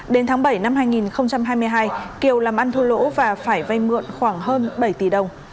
đến tháng bảy năm hai nghìn hai mươi hai kiều làm ăn thua lỗ và phải vay mượn khoảng hơn bảy tỷ đồng